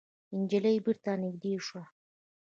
نجلۍ بېرته نږدې شوه.